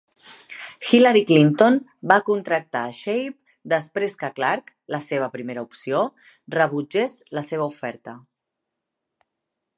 Hillary Clinton va contractar a Scheib després que Clark, la seva primera opció, rebutgés la seva oferta.